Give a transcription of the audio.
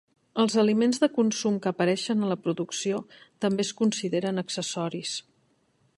Els aliments de consum que apareixen a la producció també es consideren accessoris.